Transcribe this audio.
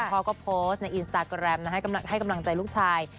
พ่อก็โพสต์ในอินสตาแกรมให้กำลังใจลูกชาย